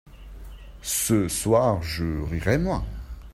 Ce soir je rirai moins.